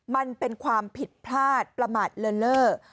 มันเป็นความผิดพลาดประหมัดเลอะ